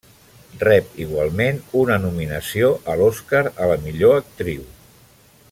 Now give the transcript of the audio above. Rep igualment una nominació a l'Oscar a la millor actriu.